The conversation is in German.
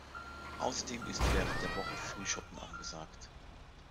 Außerdem ist während der Woche „Frühschoppen“ angesagt.